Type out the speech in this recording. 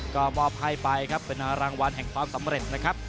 ก็มอบให้ไปครับเป็นรางวัลแห่งความสำเร็จนะครับ